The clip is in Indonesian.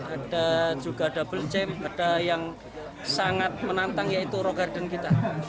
ada juga double jam ada yang sangat menantang yaitu row garden kita